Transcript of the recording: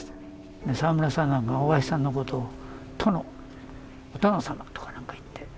沢村さんなんか大橋さんのことを「殿」「お殿様」とかなんか言って。